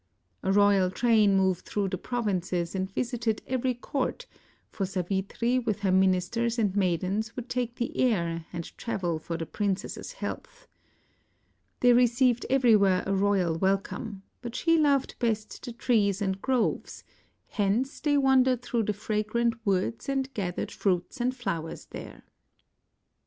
A royal train moved through the provinces and visited every court, for Savitri with her ministers and maidens would take the air and travel for the princess's health. They received everywhere a royal welcome, but she loved best the trees and groves; hence, they wandered through the fragrant woods and gathered fruits and flowers there.